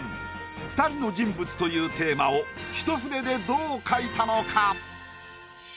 「２人の人物」というテーマを一筆でどう描いたのか？